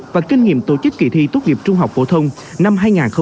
và kinh nghiệm tổ chức kỳ thi tốt nghiệp trung học phổ thông năm hai nghìn hai mươi